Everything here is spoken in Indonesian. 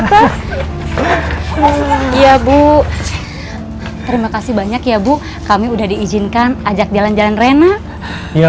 sampai jumpa di video selanjutnya